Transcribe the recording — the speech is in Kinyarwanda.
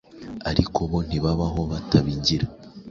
ariko bo ntibabaho batabigira